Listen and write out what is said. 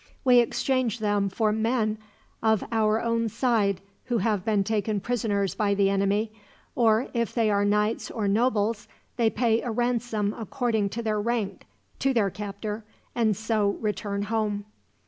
We exchange them for men of our own side who have been taken prisoners by the enemy, or if they are knights or nobles they pay a ransom according to their rank to their captor, and so return home."